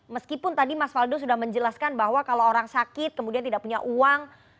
meskipun tadi mas faldo sudah menjelaskan bahwa kalau orang sakit kemudian tidak punya uang